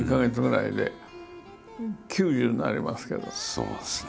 そうですね。